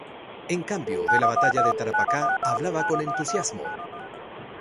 En cambio, de la batalla de Tarapacá hablaba con entusiasmo.